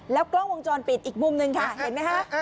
กล้องวงจรปิดอีกมุมหนึ่งค่ะเห็นไหมคะ